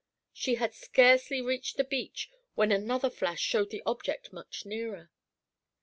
She had scarcely reached the beach, when another flash showed the object much nearer.